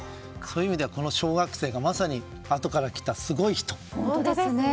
そういう意味ではこの小学生がまさに後から来たすごい人。